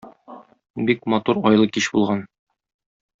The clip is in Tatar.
Бик матур айлы кич булган.